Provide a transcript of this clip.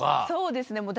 そうですね。